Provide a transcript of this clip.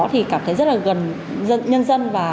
thì cảm thấy rất là gần nhân dân